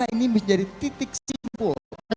ini bisa jadi titik simpul